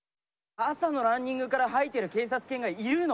朝のランニングから吐いてる警察犬がいるの？